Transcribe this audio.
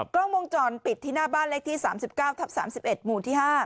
กล้องวงจรปิดที่หน้าบ้านเลขที่๓๙ทับ๓๑หมู่ที่๕